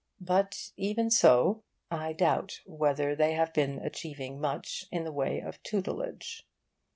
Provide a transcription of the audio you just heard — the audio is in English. But, even so, I doubt whether they have been achieving much in the way of tutelage.